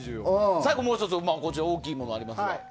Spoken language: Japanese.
最後、もう１つ大きいものがありますが。